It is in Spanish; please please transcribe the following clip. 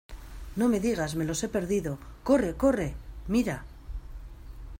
no me digas, me los he perdido. ¡ corre , corre! mira .